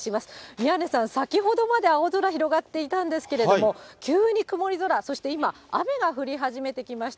宮根さん、先ほどまで青空広がっていたんですけれども、急に曇り空、そして今、雨が降り始めてきました。